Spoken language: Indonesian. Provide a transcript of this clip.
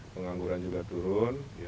pengangguran juga turun